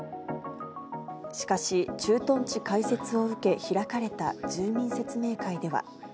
しかし、駐屯地開設を受け開かれた住民説明会では。